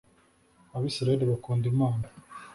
abisirayeli bakunda imana.